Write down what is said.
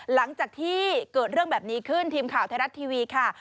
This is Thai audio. หลังจากที่เกิดเรื่องแบบนี้ขึ้นทีมข่าวไทยรัฐทีวีค่ะ